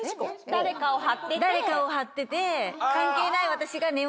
誰かを張ってて。